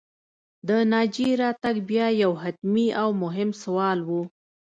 د ناجيې راتګ بیا یو حتمي او مهم سوال و